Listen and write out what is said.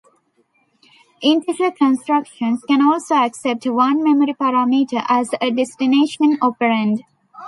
Integer instructions can also accept one memory parameter as a destination operand.